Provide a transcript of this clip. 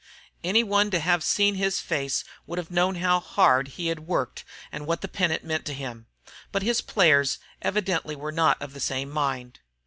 Any one to have seen his face would have known how hard he had worked and what the pennant meant to him. But his players evidently were not of the same mind.